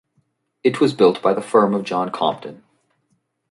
It was built by the firm of John Compton.